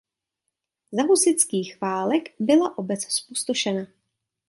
Za husitských válek byla obec zpustošena.